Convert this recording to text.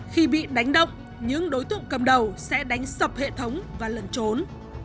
khi bị đánh động những đối tượng cầm đầu sẽ đánh sập hệ thống và lần trốn